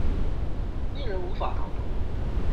令人無法逃脫